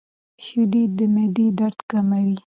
• شیدې د معدې درد کموي.